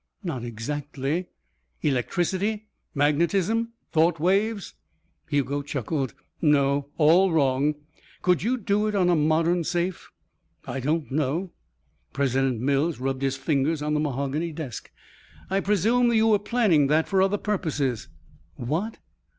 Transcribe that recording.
"Not exactly." "Electricity? Magnetism? Thought waves?" Hugo chuckled. "No. All wrong." "Could you do it on a modern safe?" "I don't know." President Mills rubbed his fingers on the mahogany desk. "I presume you were planning that for other purposes?" "What!"